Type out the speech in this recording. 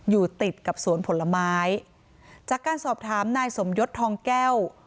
อยู่ติดกับสวนผลไม้จากการสอบถามนายสมยศทองแก้ว